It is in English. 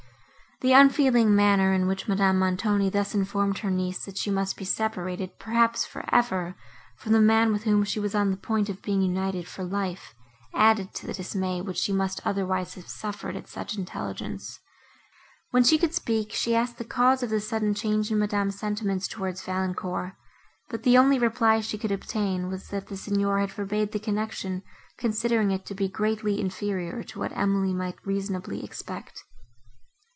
The unfeeling manner, in which Madame Montoni thus informed her niece, that she must be separated, perhaps for ever, from the man, with whom she was on the point of being united for life, added to the dismay, which she must otherwise have suffered at such intelligence. When she could speak, she asked the cause of the sudden change in Madame's sentiments towards Valancourt, but the only reply she could obtain was, that the Signor had forbade the connection, considering it to be greatly inferior to what Emily might reasonably expect.